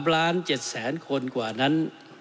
ล้าน๗แสนคนกว่านั้น